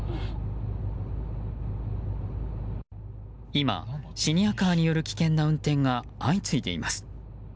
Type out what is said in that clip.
今、シニアカーによる危険な運転が相次いでいます。